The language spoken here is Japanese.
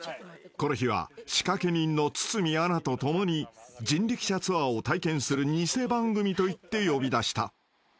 ［この日は仕掛け人の堤アナと共に人力車ツアーを体験する偽番組と言って呼び出した］